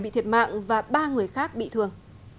bị thiệt mạng và ba người khác bị thương